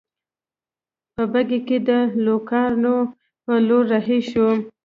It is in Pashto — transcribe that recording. په بګۍ کې د لوکارنو په لور رهي شوو.